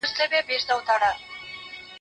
گيله د دوسته کېږي.